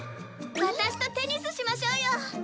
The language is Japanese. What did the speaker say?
ワタシとテニスしましょうよ。